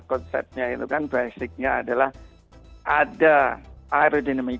konsepnya itu kan basicnya adalah ada aerodinamic